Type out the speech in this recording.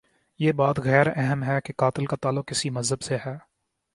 یہ بات غیر اہم ہے کہ قاتل کا تعلق کس مذہب سے ہے۔